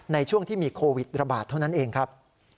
ในช่วงที่มีโควิดระบาดเท่านั้นเองครับ